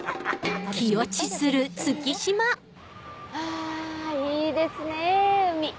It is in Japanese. あいいですねぇ海！